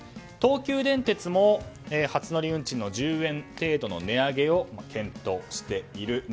東急電鉄も初乗り運賃１０円程度の値上げを検討している。